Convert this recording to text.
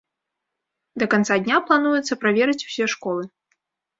Да канца дня плануецца праверыць усе школы.